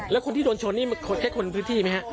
แล้วคนที่โดนชนนี่แค่คนพื้นที่ไหมฮะ